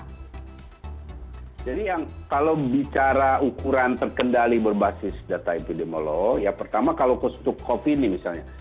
jadi kalau bicara ukuran terkendali berbasis data epidemiolog ya pertama kalau kondisi covid sembilan belas ini misalnya